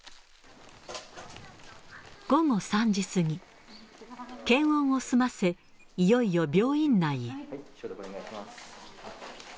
午後３時過ぎ、検温を済ませ、いよいよ病院内へ。